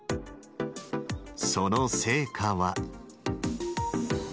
その成果は。